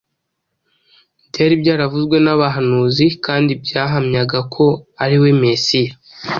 byari byaravuzwe n’abahanuzi kandi byahamyaga ko ari We Mesiya.